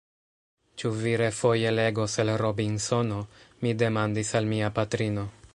Ĉu vi refoje legos el Robinsono? mi demandis al mia patrino.